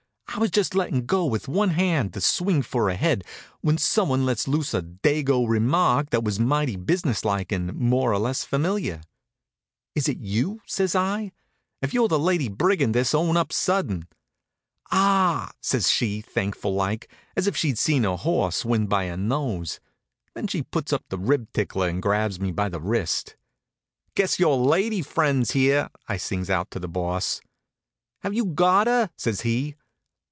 I was just lettin' go with one hand to swing for a head when someone lets loose a Dago remark that was mighty business like and more or less familiar. "Is it you?" says I. "If you're the Lady Brigandess own up sudden." "Ah h h!" says she, thankful like, as if she'd seen her horse win by a nose. Then she puts up the rib tickler and grabs me by the wrist. "Guess your lady friend's here," I sings out to the Boss. "Have you got her?" says he.